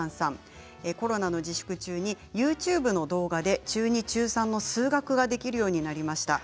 コロナの自粛中にＹｏｕＴｕｂｅの動画で中２、中３の数学ができるようになりました。